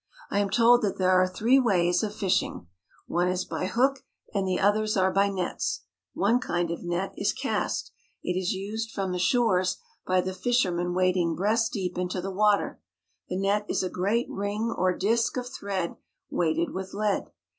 I am told that there are three ways of fishing. One is by hook and the others are by nets. 190 ON THE SEA OF GALILEE One kind of net is cast. It is used from the shores by the fishermen wading breast deep into the water. The net is a great ring or disk of thread weighted with lead.